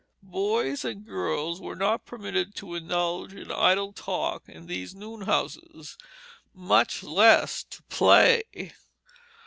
Boys and girls were not permitted to indulge in idle talk in those noon houses, much less to play.